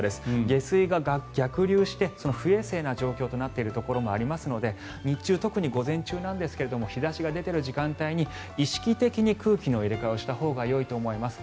下水が逆流して不衛生な状況になっているところもありますので日中、特に午前中ですが日差しが出ている時間帯に意識的に空気の入れ替えをしたほうがよいと思います。